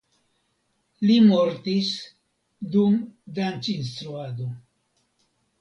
Li mortis dum dancinstruado.